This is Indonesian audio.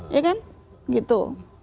iya kan gitu